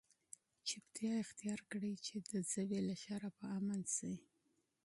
چوپتیا اختیار کړئ! چي د ژبي له شره په امن سئ.